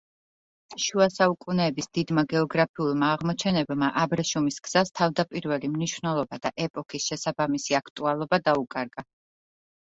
შუა საუკუნეების დიდმა გეოგრაფიულმა აღმოჩენებმა აბრეშუმის გზას თავდაპირველი მნიშვნელობა და ეპოქის შესაბამისი აქტუალობა დაუკარგა.